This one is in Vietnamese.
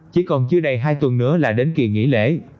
chỉ còn chưa đầy hai tuần nữa là đến kỳ nghỉ lễ